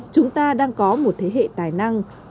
chúng ta đang có một thế hệ tài năng